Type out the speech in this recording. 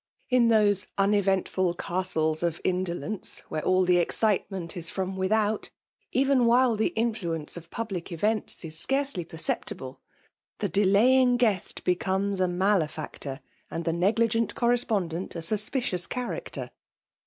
In those uneventful Castles of Indo lence, where all the excitement is from with <mt, even while the influence of public events is searcdy perceptible, the delaying gnest be L 2 22^ FEMALE D0IIINATI017. cpmes a malefactor, and the negligebt toir^ ppondent a suspieious character.